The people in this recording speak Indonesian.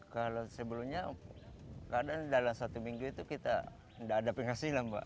kalau sebelumnya kadang dalam satu minggu itu kita tidak ada penghasilan pak